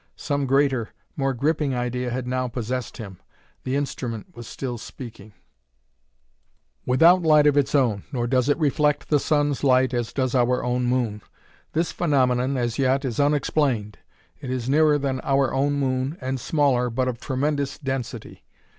Some greater, more gripping idea had now possessed him. The instrument was still speaking: " Without light of its own, nor does it reflect the sun's light as does our own moon. This phenomenon, as yet, is unexplained. It is nearer than our own moon and smaller, but of tremendous density."